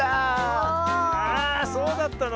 あそうだったの？